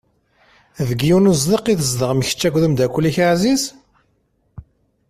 Deg yiwen uzniq i tzedɣem kečč akked umdakel-ik aɛziz?